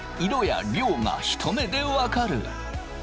色や量が一目で分かる。